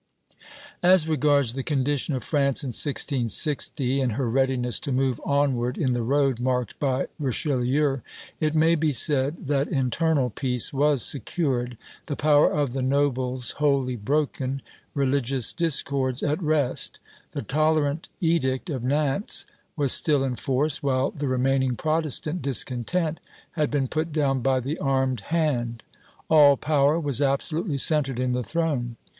As regards the condition of France in 1660, and her readiness to move onward in the road marked by Richelieu, it may be said that internal peace was secured, the power of the nobles wholly broken, religious discords at rest; the tolerant edict of Nantes was still in force, while the remaining Protestant discontent had been put down by the armed hand. All power was absolutely centred in the throne.